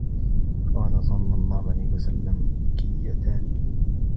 فَقَالَ صَلَّى اللَّهُ عَلَيْهِ وَسَلَّمَ كَيَّتَانِ